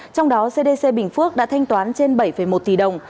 trong đó cdc bình phước đã thanh toán trên bảy một tỷ đồng